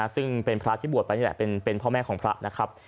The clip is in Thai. ซึ่งเป็นพระที่บวชไปนี่แหละเป็นพ่อแม่ของพระนะครับ